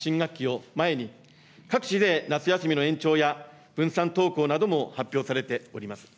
９月からの本格的な新学期を前に、各地で夏休みの延長や、分散登校なども発表されております。